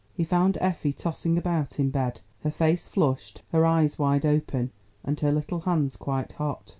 He found Effie tossing about in bed, her face flushed, her eyes wide open, and her little hands quite hot.